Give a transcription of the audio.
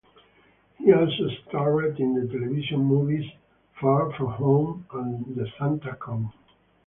He also starred in the television movies Far From Home and The Santa Con.